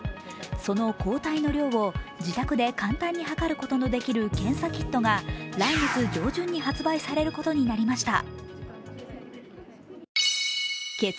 その抗体の量を自宅で簡単に測ることのできる検査キットが来月上旬に発売されることになりました。